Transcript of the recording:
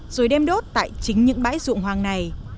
rồi đem đốt tại chính những bãi dụng hoang này